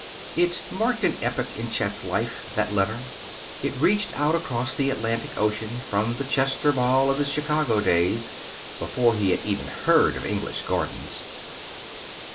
It marked an epoch in Chet's life that letter. It reached out across the Atlantic Ocean from the Chester Ball of his Chicago days, before he had even heard of English gardens.